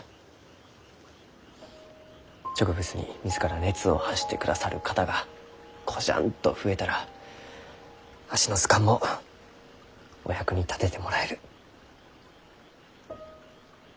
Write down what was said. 植物に自ら熱を発してくださる方がこじゃんと増えたらわしの図鑑もお役に立ててもらえる。